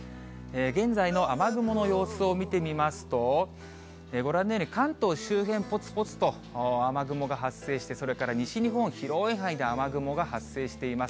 現在の雨雲の様子を見てみますと、ご覧のように、関東周辺、ぽつぽつと雨雲が発生して、それから西日本、広い範囲で雨雲が発生しています。